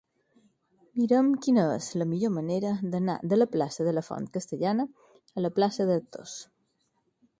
Mira'm quina és la millor manera d'anar de la plaça de la Font Castellana a la plaça d'Artós.